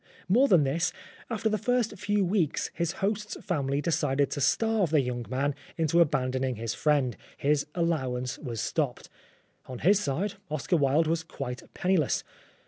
More, than this, after the first few weeks his host's family decided to starve the young man into abandoning his friend. His allowance was stopped. On his side, Oscar Wilde was quite penniless.